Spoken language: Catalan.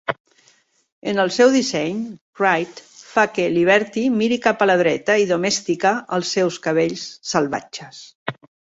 En el seu disseny, Wright fa que Liberty miri cap a la dreta i "domestica" els seus cabells salvatges.